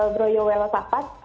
bro yoelah sahpat